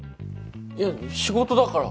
いや仕事だから。